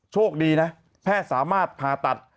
โชคดีนะแพทย์สามารถผ่าตัด